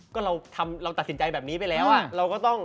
ก็เราตัดสินใจแบบนี้ไปแล้วอะ